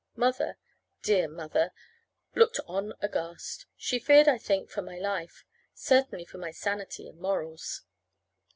Mother dear mother! looked on aghast. She feared, I think, for my life; certainly for my sanity and morals.